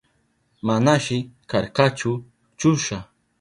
Manashi karkachu chusha.